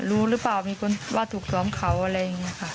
รู้หรือเปล่ามีคนว่าถูกซ้อมเขาอะไรอย่างนี้ค่ะ